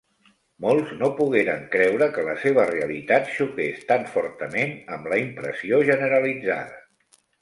Molts no pogueren creure que la seva realitat xoqués tan fortament amb la impressió generalitzada.